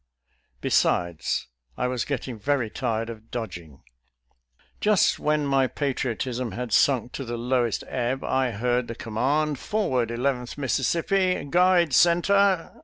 Besides, I was getting yery tired of dodg ing. Just when my patriotism had sunk to the low est ebb, I heard the command, " Forward, Eleventh Mississippi ! Guide center !